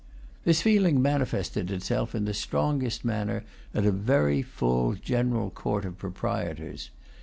This feeling manifested itself in the strongest manner at a very full General Court of Proprietors.